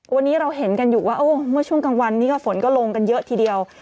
วันนี้เราเห็นกันอยู่ว่าเมื่อช่วงกลางวันนี้ก็ฝนก็ลงกันเยอะทีเดียว